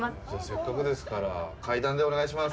せっかくですから、階段でお願いします。